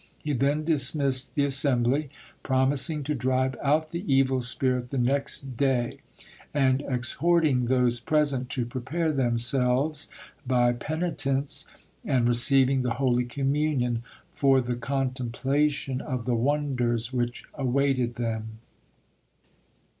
He then dismissed the assembly, promising to drive out the evil spirit the next day, and exhorting those present to prepare themselves, by penitence and receiving the holy communion, for the contemplation of the wonders which awaited them.